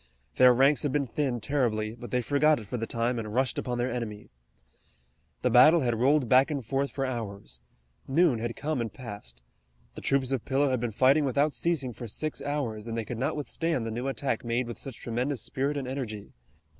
Their ranks had been thinned terribly, but they forgot it for the time and rushed upon their enemy. The battle had rolled back and forth for hours. Noon had come and passed. The troops of Pillow had been fighting without ceasing for six hours, and they could not withstand the new attack made with such tremendous spirit and energy.